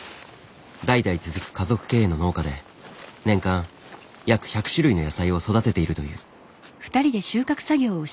代々続く家族経営の農家で年間約１００種類の野菜を育てているという。